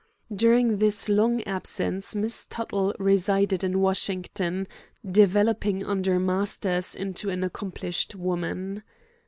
During this long absence Miss Tuttle resided in Washington, developing under masters into an accomplished woman.